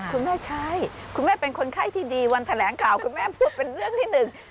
คุณแม่ใช่คุณแม่เป็นคนไข้ที่ดีวันแถลงข่าวคุณแม่พูดเป็นเรื่องที่หนึ่ง